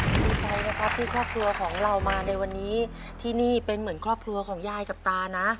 ดีใจนะครับที่ครอบครัวของเรามาในวันนี้ที่นี่เป็นเหมือนครอบครัวของยายกับตานะ